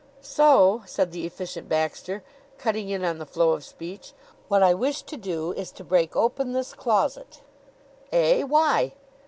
"So," said the Efficient Baxter, cutting in on the flow of speech, "what I wish to do is to break open this closet." "Eh? Why?"